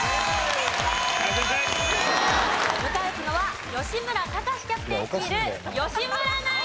迎え撃つのは吉村崇キャプテン率いる吉村ナイン！